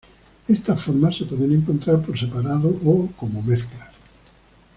Estas formas se pueden encontrar por separado o como mezclas.